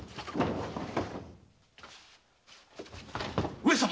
・上様！